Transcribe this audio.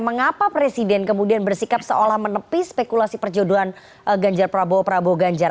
mengapa presiden kemudian bersikap seolah menepis spekulasi perjodohan ganjar prabowo prabowo ganjar